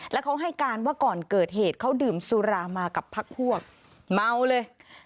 แล้วเขาให้การว่าก่อนเกิดเหตุเขาดื่มสุรามากับพักพวกเมาเลย